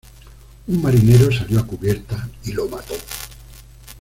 Un marinero salió a cubierta y lo mató.